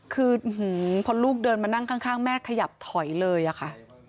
คือพอลูกเดินมานั่งข้างแม่ขยับถอยเลยอะค่ะ